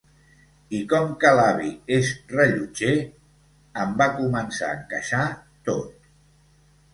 I com que l’avi és rellotger… Em va començar a encaixar tot.